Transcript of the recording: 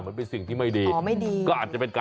เฮ้ยอยู่ที่ไหนล่ะ